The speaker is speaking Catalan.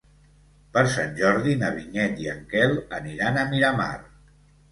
Per Sant Jordi na Vinyet i en Quel aniran a Miramar.